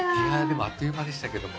あっという間でしたけども。